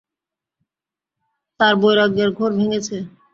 তার বৈরাগ্যের ঘোর ভেঙেছে।